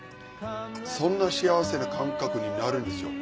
そんな幸せな感覚になるんですよ